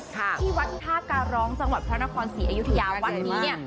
ที่วัดท่าการร้องจังหวัดพระนครศรีอยุธยาวัดนี้เนี่ย